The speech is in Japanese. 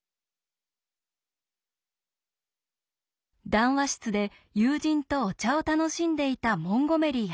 談話室で友人とお茶を楽しんでいたモンゴメリー博士。